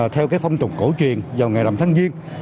theo phong trục cổ truyền vào ngày rằm tháng giêng